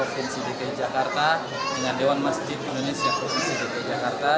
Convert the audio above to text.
hari ini keinginan dari dki jakarta dengan dewan masjid indonesia provinsi dki jakarta